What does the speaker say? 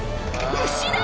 牛だ！